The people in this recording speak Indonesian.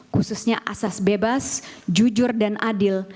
khususnya asas bebas jujur dan adil